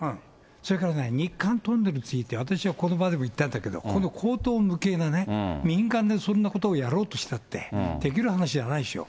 それから日韓トンネルについて、私はこの場でも言ったんだけど、この荒唐無けいな民間でそんなことをやろうとしたって、できる話じゃないでしょ。